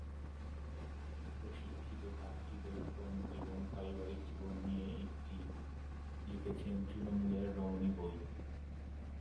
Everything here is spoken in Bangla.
প্রশিক্ষিত ধাত্রীদের কর্মজীবন, পারিবারিক জীবন নিয়ে একটি লিখেছেন তৃণমূলের রমণী বই।